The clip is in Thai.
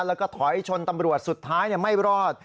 แล้วก็ถอยชนตำรวจสุดท้ายไม่รอด